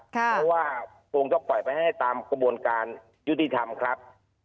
เพราะว่าคงต้องปล่อยไปให้ตามกระบวนการยุติธรรมครับ